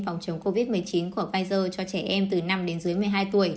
phòng chống covid một mươi chín của pfizer cho trẻ em từ năm đến dưới một mươi hai tuổi